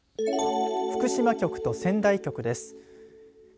福島局と仙台局です。